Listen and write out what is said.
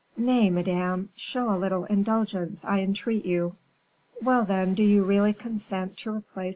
"Nay, madame, show a little indulgence, I entreat you." "Well, then, do you really consent to replace M.